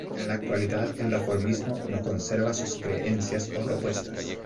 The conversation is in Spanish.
En la actualidad el reformismo no conserva sus creencias o "propuestas".